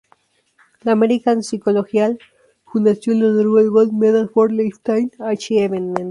La American Psychological Foundation le otorgó el Gold Medal for Lifetime Achievement.